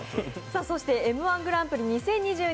「Ｍ−１グランプリ２０２２」